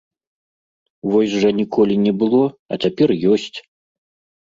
Вось жа ніколі не было, а цяпер ёсць!